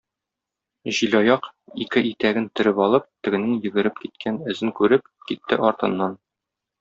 Җилаяк, ике итәген төреп алып, тегенең йөгереп киткән эзен күреп, китте артыннан.